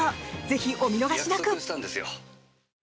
ぜひ、お見逃しなく！